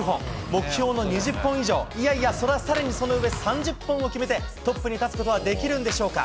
目標の２０本以上、いやいや、さらにその上、３０本を決めて、トップに立つことができるんでしょうか。